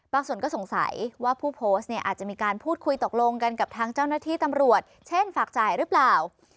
ส่วนใหญ่ก็สงสัยว่าผู้โพสต์เนี่ยอาจจะมีการพูดคุยตกลงกันกับทางเจ้าหน้าที่ตำรวจเช่นฝากจ่ายหรือเปล่า